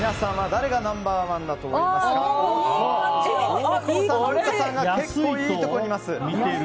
大久保さん、深澤さんが結構いいところにいます。